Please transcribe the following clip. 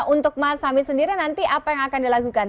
untuk mas hamid sendiri nanti apa yang akan dilakukan